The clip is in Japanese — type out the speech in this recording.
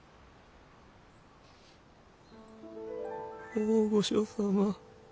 大御所様。